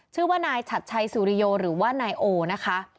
ชื่อว่านายชัดชัยสุริโยหรือว่านายโอนะคะ